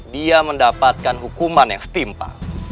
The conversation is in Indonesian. dia mendapatkan hukuman yang setimpa